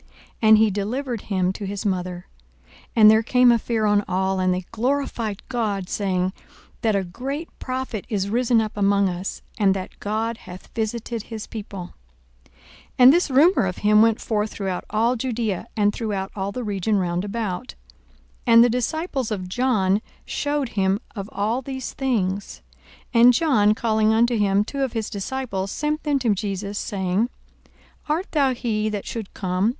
And he delivered him to his mother. 42:007:016 And there came a fear on all: and they glorified God, saying, That a great prophet is risen up among us; and, That God hath visited his people. 42:007:017 And this rumour of him went forth throughout all Judaea, and throughout all the region round about. 42:007:018 And the disciples of John shewed him of all these things. 42:007:019 And John calling unto him two of his disciples sent them to Jesus, saying, Art thou he that should come?